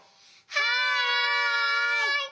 はい！